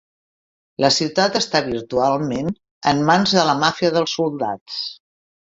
La ciutat està virtualment en mans de la màfia dels soldats.